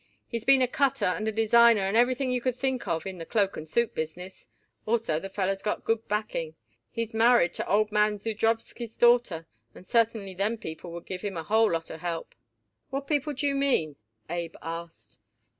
"He's been a cutter and a designer and everything you could think of in the cloak and suit business. Also the feller's got good backing. He's married to old man Zudrowsky's daughter and certainly them people would give him a whole lot of help." "What people do you mean?" Abe asked.